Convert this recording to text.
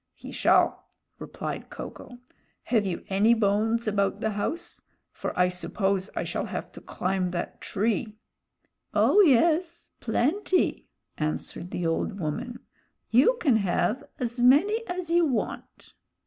"He shall," replied Ko ko. "Have you any bones about the house; for I suppose I shall have to climb that tree." "Oh, yes; plenty," answered the old woman. "You can have as many as you want."